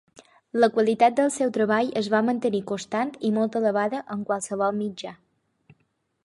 La qualitat del seu treball es va mantenir constant i molt elevada en qualsevol mitjà.